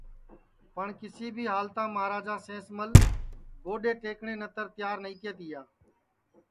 پٹؔ کیسی بھی ہالتام مہاراجا سینس مل گوڈؔے ٹئکٹؔے نتر تیار نائی تیا تیا